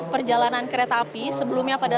perjalanan kereta api sebelumnya pada